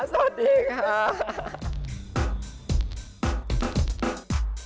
สวัสดีค่ะ